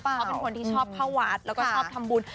เขาเป็นคนที่ชอบเข้าวัดแล้วก็ชอบทำบุญ